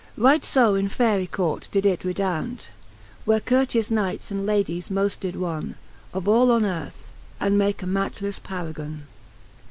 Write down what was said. Right fo in Faery court it did redound, Where curteous Knights and Ladies moft did won Of all on earth, and made a matchlefTe paragon.